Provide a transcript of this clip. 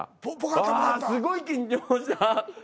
ああすごい緊張した。